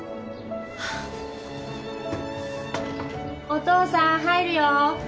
お父さん入るよ。